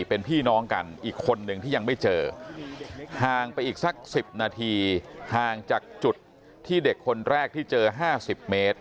เป็นพี่น้องกันอีกคนนึงที่ยังไม่เจอห่างไปอีกสัก๑๐นาทีห่างจากจุดที่เด็กคนแรกที่เจอ๕๐เมตร